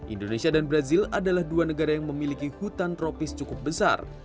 indonesia dan brazil adalah dua negara yang memiliki hutan tropis cukup besar